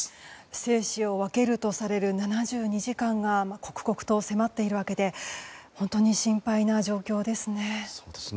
生死を分けるとされる７２時間は刻々と迫っているわけで本当に心配な状況ですね。